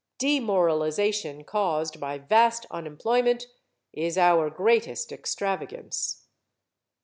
Demoralization caused by vast unemployment is our greatest extravagance.